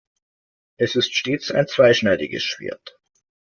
Es ist stets ein zweischneidiges Schwert.